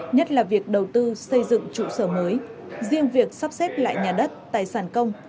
nhất là việc đầu tư xây dựng trụ sở mới riêng việc sắp xếp lại nhà đất tài sản công